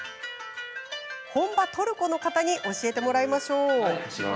本場トルコの方に教えてもらいましょう。